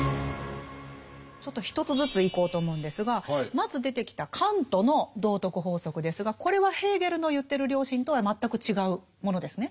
ちょっと一つずついこうと思うんですがまず出てきたカントの道徳法則ですがこれはヘーゲルの言ってる良心とは全く違うものですね。